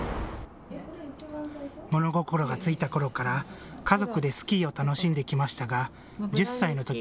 物心が付いたころから家族でスキーを楽しんできましたが１０歳のとき